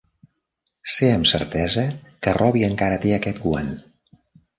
Sé amb certesa que Robby encara té aquest guant.